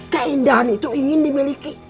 keindahan itu ingin dimiliki